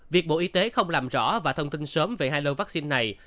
việc bộ y tế không làm rõ và thông tin sớm về hai lô vaccine này